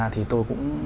thì tôi cũng